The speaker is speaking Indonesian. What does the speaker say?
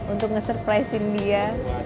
untuk nge surprisein dia